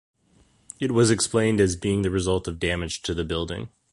It was explained as being the result of damage to the building.